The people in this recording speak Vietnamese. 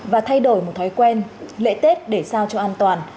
và thay đổi một thói quen lễ tết để sao cho an toàn